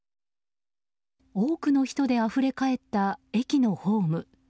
多くの人であふれかえった駅のホーム。